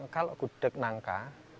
kalau gudek nangka